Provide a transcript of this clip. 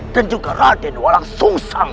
dan juga raden walang sungsang